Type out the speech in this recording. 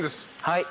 はい。